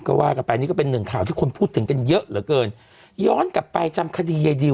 ก็ว่ากันไปนี่ก็เป็นหนึ่งข่าวที่คนพูดถึงกันเยอะเหลือเกินย้อนกลับไปจำคดียายดิว